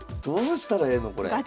どうしたらええのこれ。